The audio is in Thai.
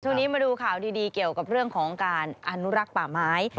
ช่วงนี้มาดูข่าวดีเกี่ยวกับเรื่องของการอนุรักษ์ป่าไม้